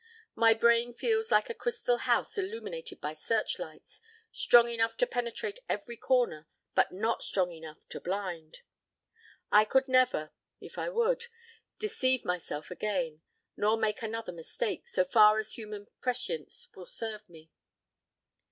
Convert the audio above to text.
My brain feels like a crystal house illuminated by searchlights, strong enough to penetrate every corner but not strong enough to blind. I could never, if I would, deceive myself again, nor make another mistake, so far as human prescience will serve me."